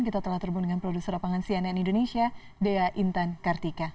kita telah terhubung dengan produser lapangan cnn indonesia dea intan kartika